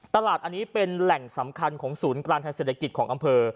ตลาดอันนี้เป็นแหล่งสำคัญของศูนย์กลางทางเศรษฐกิจของอำเภอ